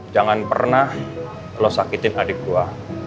jangan pernah lo sakitin adik gue